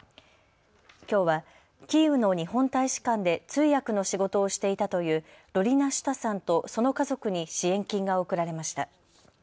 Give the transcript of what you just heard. きょうはキーウの日本大使館で通訳の仕事をしていたというロリナ・シュタさんとその家族に支援金が贈られました。